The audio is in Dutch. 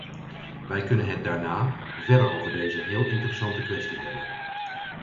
Wij kunnen het daarna verder over deze heel interessante kwestie hebben.